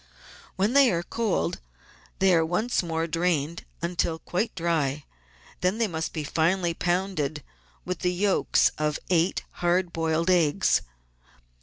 When they are cold they are once more drained until quite dry ; then they must be finely pounded with the yolks of eight hard boiled eggs.